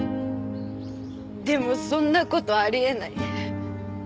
でもそんな事あり得ない。